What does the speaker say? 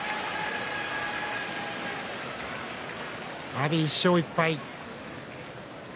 阿炎、１勝１敗。